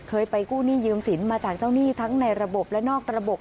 ไปกู้หนี้ยืมสินมาจากเจ้าหนี้ทั้งในระบบและนอกระบบ